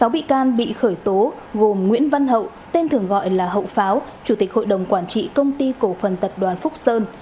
sáu bị can bị khởi tố gồm nguyễn văn hậu tên thường gọi là hậu pháo chủ tịch hội đồng quản trị công ty cổ phần tập đoàn phúc sơn